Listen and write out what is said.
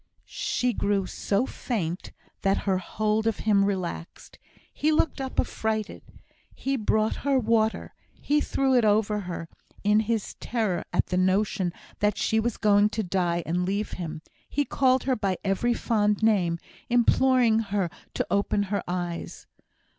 She grew so faint that her hold of him relaxed. He looked up affrighted. He brought her water he threw it over her; in his terror at the notion that she was going to die and leave him, he called her by every fond name, imploring her to open her eyes.